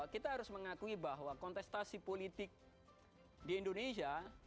kita harus mengakui bahwa kontestasi politik di indonesia